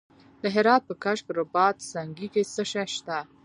د هرات په کشک رباط سنګي کې څه شی شته؟